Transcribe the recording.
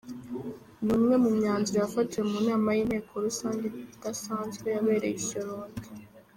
Ni umwe mu myanzuro yafatiwe mu nama y’inteko rusange idasanzwe yabereye i Shyorongi.